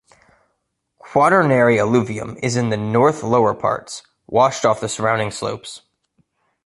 Quaternary alluvium is in the north lower parts, washed off the surrounding slopes.